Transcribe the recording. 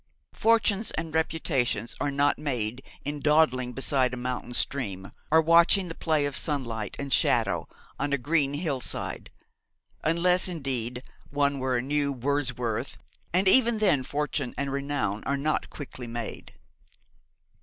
Fortunes and reputations are not made in dawdling beside a mountain stream, or watching the play of sunlight and shadow on a green hill side; unless, indeed, one were a new Wordsworth, and even then fortune and renown are not quickly made.